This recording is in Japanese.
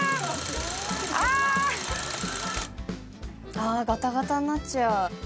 ◆あーガタガタになっちゃう。